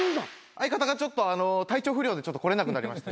相方がちょっと体調不良で来れなくなりまして。